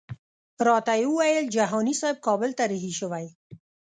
راته ویې ویل جهاني صاحب کابل ته رهي شوی.